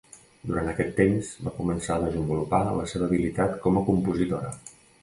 Durant aquest temps va començar a desenvolupar la seva habilitat com a compositora.